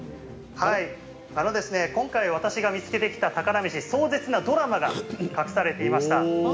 今回私が見つけてきた宝メシ壮絶なドラマが隠されていました。